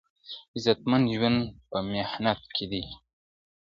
عزتمن ژوند په محنت کې دی.